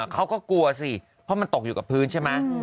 เขาก็กลัวสิเพราะมันตกอยู่กับพื้นใช่ไหม